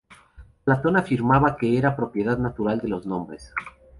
Platón afirmaba que era una propiedad natural de los nombres.